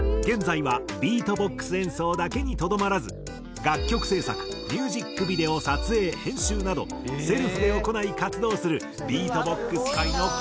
現在はビートボックス演奏だけにとどまらず楽曲制作ミュージックビデオ撮影編集などセルフで行い活動する。